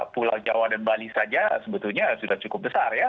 pulau jawa dan bali saja sebetulnya sudah cukup besar ya